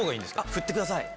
振ってください。